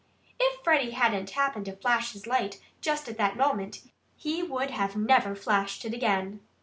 If Freddie hadn't happened to flash his light just at that moment he would never have flashed it again.